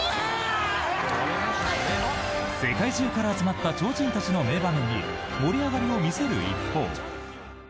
世界中から集まった超人たちの名場面に盛り上がりを見せる一方。